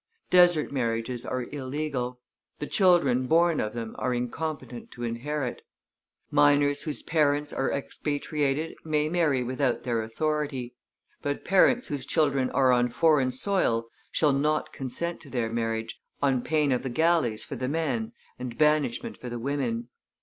Desert marriages are illegal; the children born of them are incompetent to inherit. Minors whose parents are expatriated may marry without their authority; but parents whose children are on foreign soil shall not consent to their marriage, on pain of the galleys for the men and banishment for the women.